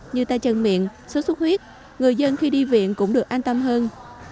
như tai chân miệng số suốt huyết người dân khi đi viện cũng được an tâm hơn